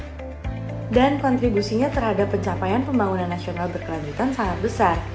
dan kontribusinya terhadap pencapaian pembangunan nasional berkelanjutan sangat besar